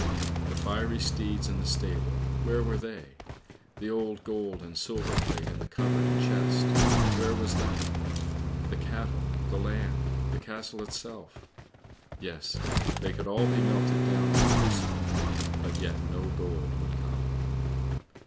"The fiery steeds in the stable, where were they? The old gold and silver plate in cupboard and chest, where was that? The cattle, the land, the castle itself? Yes, they could all be melted down in the crucible, but yet no gold would come.